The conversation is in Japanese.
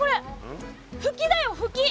フキだよフキ。